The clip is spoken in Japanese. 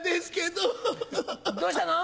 どうしたの？